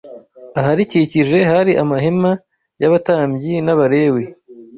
aharikikije hari amahema y’abatambyi n’Abalewi.